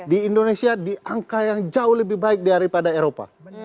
di indonesia di angka yang jauh lebih baik daripada eropa